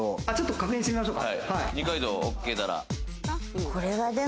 確認してみましょうか。